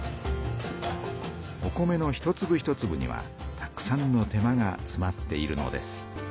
お米の一つぶ一つぶにはたくさんの手間がつまっているのです。